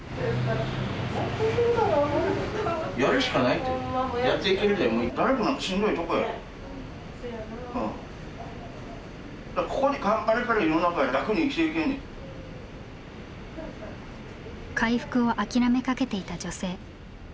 回復を諦めかけていた女性。